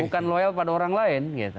bukan loyal pada orang lain